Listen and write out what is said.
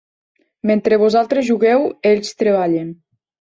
Mentre vosaltres jugueu, ells treballen.